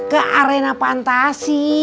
ke arena pantasi